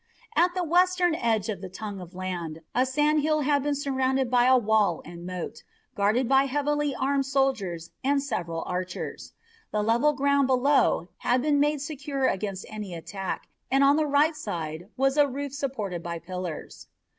At the western end of the tongue of land a sand hill had been surrounded by a wall and moat, guarded by heavily armed soldiers and several archers. The level ground below had been made secure against any attack, and on the right side was a roof supported by pillars.